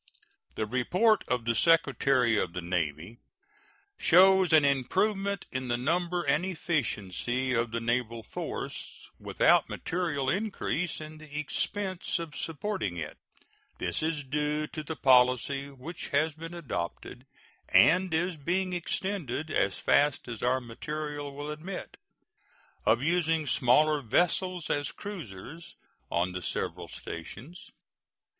The report of the Secretary of the Navy shows an improvement in the number and efficiency of the naval force, without material increase in the expense of supporting it. This is due to the policy which has been adopted, and is being extended as fast as our material will admit, of using smaller vessels as cruisers on the several stations.